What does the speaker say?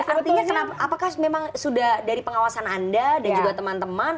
artinya apakah memang sudah dari pengawasan anda dan juga teman teman